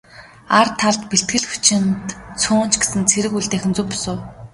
Ар талд бэлтгэл хүчинд цөөн ч гэсэн цэрэг үлдээх нь зөв бус уу?